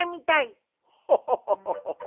ホホホホホホ。